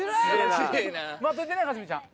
待っといてね架純ちゃん。